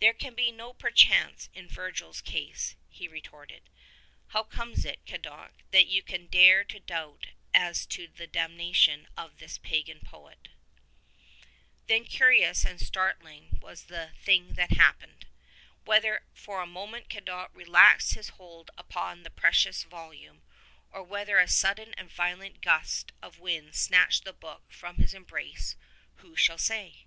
"There can be no perchance in Virgil's case," he retorted. "How comes it, Cadoc, that you can dare to doubt as to the damnation of this pagan poet ?" 127 Then curious and startling was the thing that happened ! Whether for a moment Cadoc relaxed his hold upon the precious volume, or whether a sudden and violent gust of wind snatched the book from his embrace — who shall say?